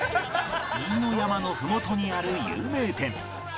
飯野山のふもとにある有名店